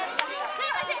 すみません。